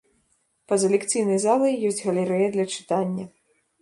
Па-за лекцыйнай залай ёсць галерэя для чытання.